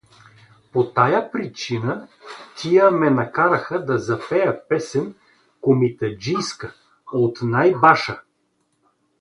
По тая причина тия ме накараха да запея песен комитаджийска, от най-баша.